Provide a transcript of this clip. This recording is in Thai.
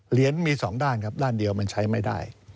เหรียญมีสองด้านครับด้านเดียวมันใช้ไม่ได้